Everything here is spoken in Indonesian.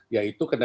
ya itu kendaraan